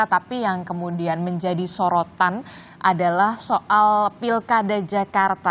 tapi yang kemudian menjadi sorotan adalah soal pilkada jakarta